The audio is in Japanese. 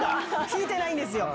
弾いてないんですよ。